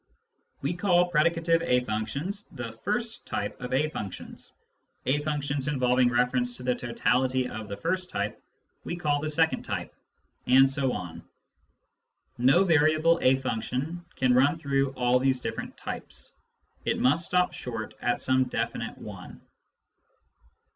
We call predicative a functions the first type of a functions ; fl functions involving reference to the totality of the first type we call the second, type ; and so on. No variable a function can run through all these different types : it must stop short at some definite one.